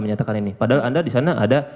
menyatakan ini padahal anda di sana ada